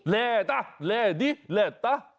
แหละตะแห่งนี้แห่นนี้